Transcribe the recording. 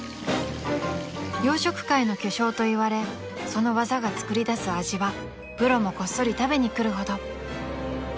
［「洋食界の巨匠」といわれその技がつくり出す味はプロもこっそり食べに来るほど］